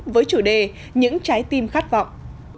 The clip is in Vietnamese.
với chủ đề những trái tim khát vọng